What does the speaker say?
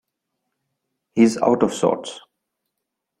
He's out of sorts.